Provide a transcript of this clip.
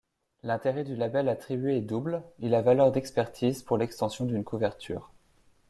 L'intérêt du label attribué est double, il a valeur d'expertise pour l'extension d'une couverture.